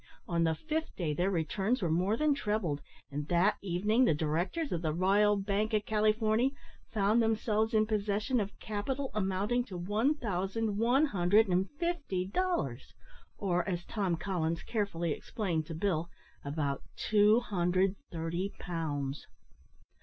On the fifth day their returns were more than trebled, and that evening the directors of the "R'yal Bank o' Calyforny" found themselves in possession of capital amounting to one thousand one hundred and fifty dollars, or, as Tom Collins carefully explained to Bill, about 230 pounds.